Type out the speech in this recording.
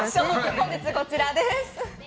本日はこちらです。